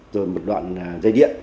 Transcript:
rồi một đoạn dây điện